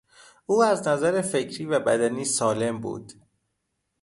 او از نظر فکری و بدنی سالم بود.